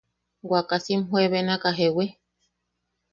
Wakasim juebenaka ¿jewi?